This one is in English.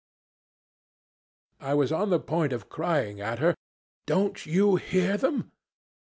"I was on the point of crying at her, 'Don't you hear them?'